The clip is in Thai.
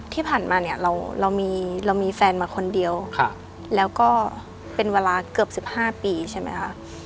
ที่ผ่านมาเนี้ยเราเรามีเรามีแฟนมาคนเดียวค่ะแล้วก็เป็นเวลาเกือบสิบห้าปีใช่ไหมคะ